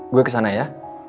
gue kesana ya